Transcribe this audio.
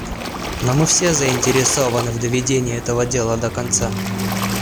Но мы все заинтересованы в доведении этого дела до конца.